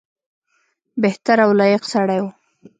بهتر او لایق سړی وو.